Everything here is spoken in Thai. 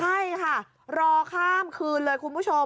ใช่ค่ะรอข้ามคืนเลยคุณผู้ชม